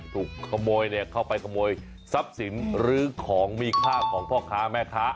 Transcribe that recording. ถูกขโมยเนี่ยเข้าไปขโมยทรัพย์สินหรือของมีค่าของพ่อค้าแม่ค้า